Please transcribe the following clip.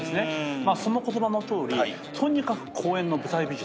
その言葉のとおりとにかく公演の舞台美術。